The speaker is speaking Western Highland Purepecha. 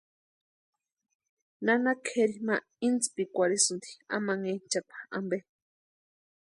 Nana kʼeri ma intspekwarhisïnti amanhenchakwa ampe.